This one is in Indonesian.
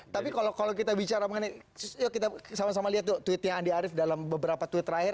tapi kalau kita bicara sama sama lihat tweetnya andi arief dalam beberapa tweet terakhir